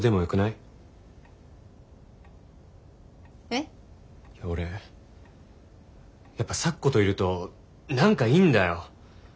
いや俺やっぱ咲子といると何かいいんだよ。